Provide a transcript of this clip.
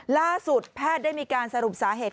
ล่าสุดแพทย์ได้มีการสรุปสาเหตุ